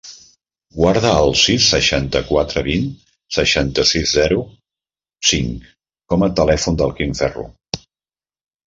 Guarda el sis, seixanta-quatre, vint, seixanta-sis, zero, cinc com a telèfon del Quim Ferro.